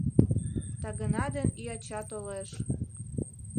Тагына ден ӱяча толеш